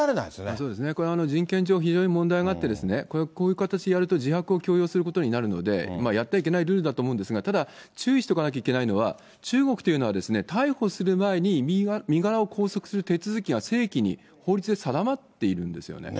そうですね、これ、人権上非常に問題があって、こういう形でやると、自白を強要することになるので、やってはいけないルールだと思うんですが、ただ、注意しとかなきゃいけないのは、中国というのは、逮捕する前に身柄を拘束する手続きが正規に法律で定まっているんですよね。